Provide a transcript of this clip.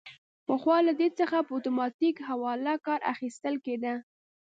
پخوا له دې څخه په اتوماتیک حواله کار اخیستل کیده.